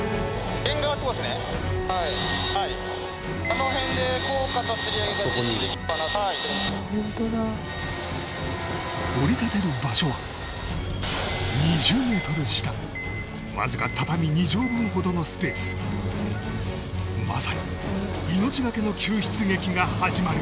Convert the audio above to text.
はいはい降り立てる場所はわずか畳２畳分ほどのスペースまさに命がけの救出劇が始まる